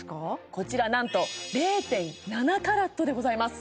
こちらなんと０．７ｃｔでございます